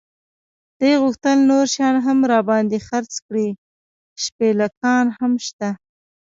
دې غوښتل نور شیان هم را باندې خرڅ کړي، شپلېکان هم شته.